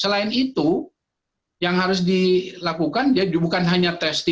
selain itu yang harus dilakukan ya bukan hanya tes